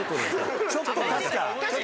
ちょっと確か。